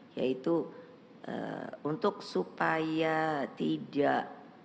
yaitu untuk supaya tidak